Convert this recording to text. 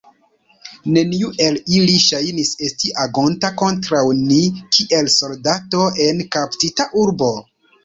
Neniu el ili ŝajnis esti agonta kontraŭ ni kiel soldato en kaptita urbo.